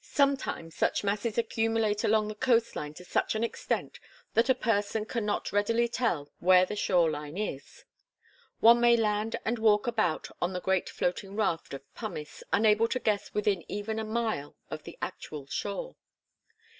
Sometimes such masses accumulate along the coast line to such an extent that a person can not readily tell where the shore line is. One may land and walk about on the great floating raft of pumice, unable to guess within even a mile of the actual shore.